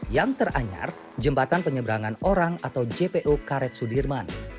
yang teranyar jembatan penyeberangan orang atau jpo karet sudirman